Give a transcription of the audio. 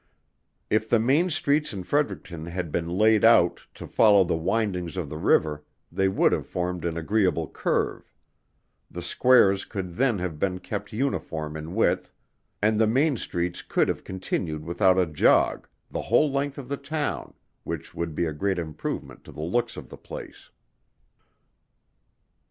If the main streets in Fredericton had been laid out to follow the windings of the river they would have formed an agreeable curve; the squares could then have been kept uniform in width, and the main streets could have continued without a jog, the whole length of the town, which would be a great improvement to the looks of the place.